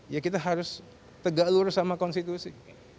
ya kita harus tegak lurus sama konstitusi